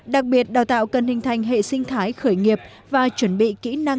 đặc biệt đào tạo cần hình thành hệ sinh thái khởi nghiệp và chuẩn bị kỹ năng